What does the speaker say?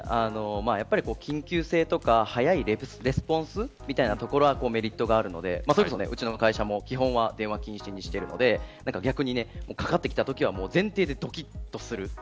やっぱり緊急性とか早いレスポンスみたいなところはメリットがあるのでうちの会社も基本は電話は禁止にしているので逆にかかってきたときは、前提でどきっとする。